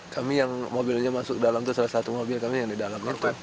kami yang mobilnya masuk dalam itu salah satu mobil kami yang di dalam market